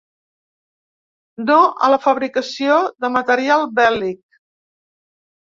No a la fabricació de material bèl·lic!